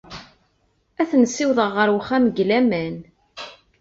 Ad ten-ssiwḍeɣ ɣer uxxam deg laman.